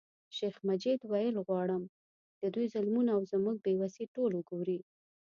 شیخ مجید ویل غواړم د دوی ظلمونه او زموږ بې وسي ټول وګوري.